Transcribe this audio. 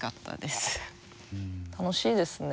楽しいですね